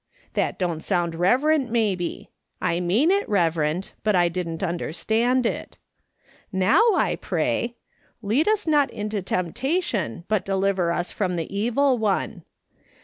That don't sound reverent, maybe. I mean it reverent, but I didn't understand it. Now I pray :' Lead us not into temptation, but deliver us from the evil one.